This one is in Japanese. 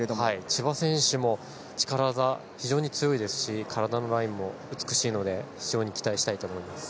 千葉選手も力技がとても強いですし体のラインも美しいので非常に期待したいと思います。